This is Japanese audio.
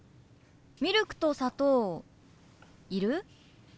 ミルクと砂糖いる？